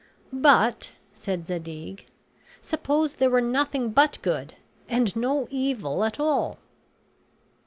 "But," said Zadig, "suppose there were nothing but good and no evil at all."